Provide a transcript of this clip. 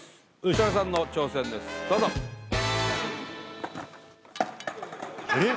設楽さんの挑戦ですどうぞえっ？